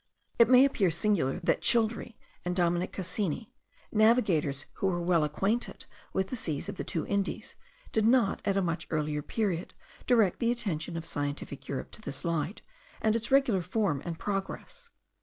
It may appear singular, that Childrey and Dominic Cassini, navigators who were well acquainted with the seas of the two Indies, did not at a much earlier period direct the attention of scientific Europe to this light, and its regular form and progress.